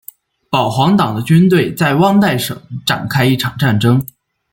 保皇党的军队在旺代省展开一场战争。